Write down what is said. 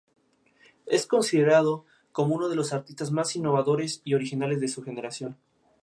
Las hojas inferiores de lobadas a pinnatífidas; las más superiores linear-lanceoladas, enteras o pinnatífidas.